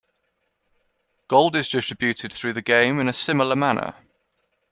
Gold is distributed through the game in a similar manner.